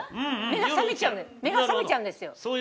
目が覚めちゃうんですよ。